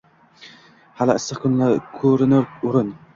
Hali issiq ko’rinur o’rin…